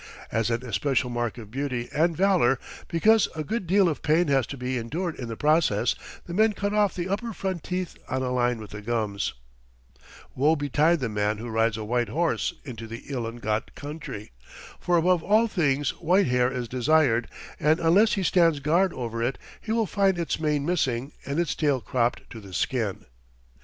As an especial mark of beauty and valour, because a good deal of pain has to be endured in the process, the men cut off the upper front teeth on a line with the gums. [Illustration: ILONGOT IN RAIN COAT AND HAT OF DEERSKIN.] Woe betide the man who rides a white horse into the Ilongot country, for above all things white hair is desired, and unless he stands guard over it, he will find its mane missing and its tail cropped to the skin.